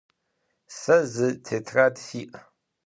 Se zı tetrad si'.